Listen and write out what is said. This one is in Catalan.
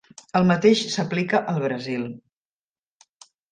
El mateix s'aplica al Brasil.